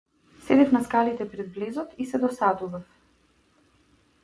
Седев на скалите пред влезот и се досадував.